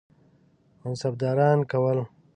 منصبداران کول.